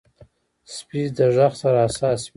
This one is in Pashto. سپي د غږ سره حساس وي.